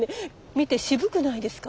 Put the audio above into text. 見て渋くないですか。